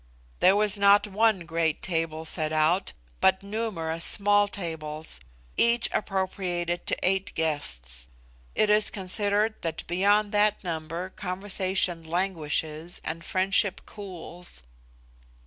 There was not one great table set out, but numerous small tables, each appropriated to eight guests. It is considered that beyond that number conversation languishes and friendship cools.